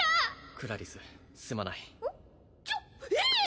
クラリスすまないちょっええっ！？